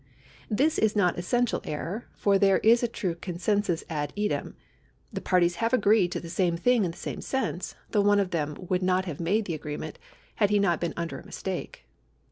This is not essential error, for there is a true consc7isus ad idein. The parties have agreed to the same thing in the same sense, though one of them would not have made the agreement had he not been under a mistake.